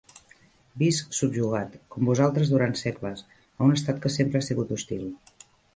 Visc subjugat, com vosaltres durant segles, a un Estat que sempre ha sigut hostil.